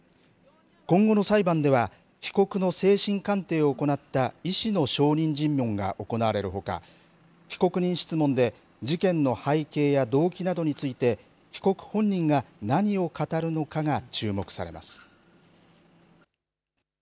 今後の裁判では、被告の精神鑑定を行った医師の証人尋問が行われるほか、被告人質問で、事件の背景や動機などについて、被告本人が何を語るのかが注目されます。